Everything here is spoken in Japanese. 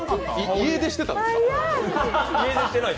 家出してたんですか？